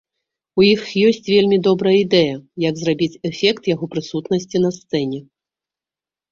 У іх ёсць вельмі добрая ідэя, як зрабіць эфект яго прысутнасці на сцэне.